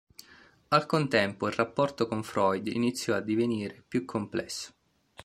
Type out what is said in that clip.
Al contempo, il rapporto con Freud iniziò a divenire più complesso.